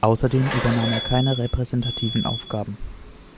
Außerdem übernahm er keine repräsentativen Aufgaben.